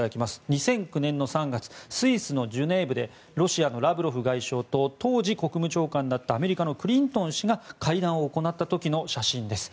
２００９年の３月スイスのジュネーブでロシアのラブロフ外相と当時国務長官だったアメリカのクリントン氏が会談を行った時の写真です。